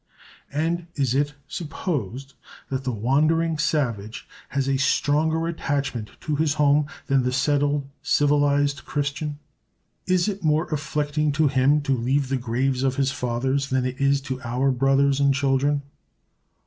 And is it supposed that the wandering savage has a stronger attachment to his home than the settled, civilized Christian? Is it more afflicting to him to leave the graves of his fathers than it is to our brothers and children?